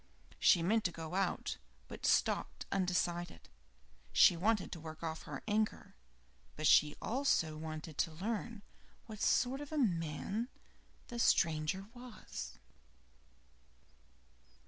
She meant to go out, but stopped undecided she wanted to work off her anger, but she also wanted to learn what sort of a man the stranger was.